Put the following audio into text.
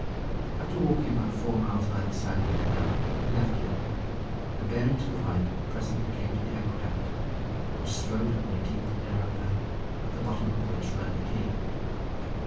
After walking about four miles by the side of the canal we left it, and bearing to the right presently came to the aqueduct, which strode over a deep and narrow valley, at the bottom of which ran the Dee.